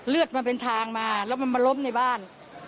มันเป็นทางมาแล้วมันมาล้มในบ้าน